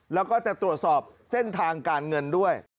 แล้วก็จะตรวจสอบเส้นทางการเงินด้วย